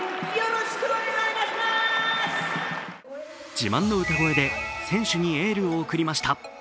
自慢の歌声で選手にエールを送りました。